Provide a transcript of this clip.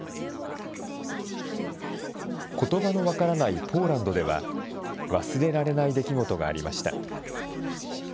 ことばの分からないポーランドでは、忘れられない出来事がありました。